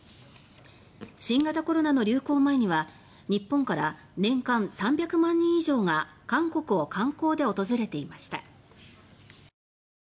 新型コロナの流行前には日本から年間３００万人以上が韓国を観光で訪れていました。